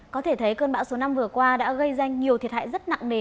có thể thấy cơn bão số năm vừa qua đã gây ra nhiều thiệt hại rất nặng nề